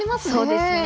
そうですね。